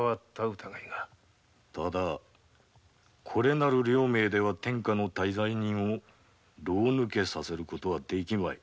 だがこれなる両名では天下の大罪人を牢抜けさせることはできまい。